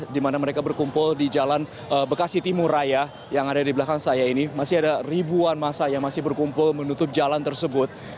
di mana mereka berkumpul di jalan bekasi timur raya yang ada di belakang saya ini masih ada ribuan masa yang masih berkumpul menutup jalan tersebut